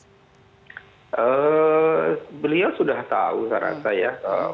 hmm beliau sudah tahu saya rasa ya